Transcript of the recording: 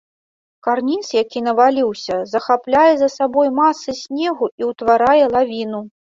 Карніз, які наваліўся, захапляе за сабой масы снегу і ўтварае лавіну.